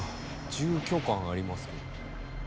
住居感ありますけど。